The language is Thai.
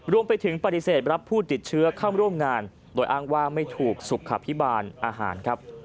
รวมไปถึงปฏิเสธรับผู้ติดเชื้อเข้าร่วมงานโดยอ้างว่าไม่ถูกสุขภิบาลอาหารครับ